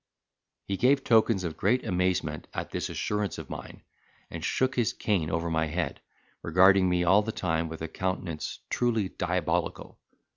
He gave tokens of great amazement at this assurance of mine, and shook his cane over my head, regarding me all the time with a countenance truly diabolical.